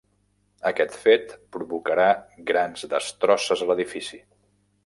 Aquest fet provocarà grans destrosses a l'edifici.